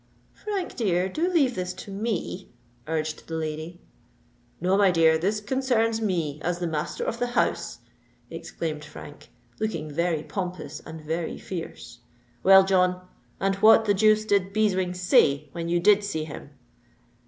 "Frank, dear—do leave this to me," urged the lady. "No, my dear—this concerns me, as the master of the house," exclaimed Frank, looking very pompous and very fierce. "Well, John—and what the deuce did Beeswing say when you did see him?"